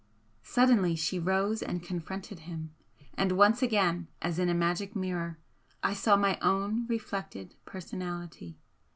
Suddenly she rose and confronted him and once again, as in a magic mirror, I saw MY OWN REFLECTED PERSONALITY.